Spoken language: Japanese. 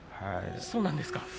そうなんですか？